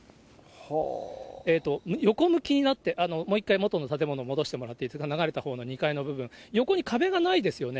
横向きになって、もう一回、元の建物、戻ってもらっていいですか、流れたほうの２階の部分、横に壁がないですよね。